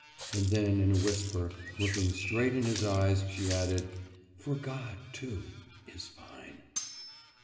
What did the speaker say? « And then in a whisper, looking straight in his eyes, she added: »For God, too, is fine!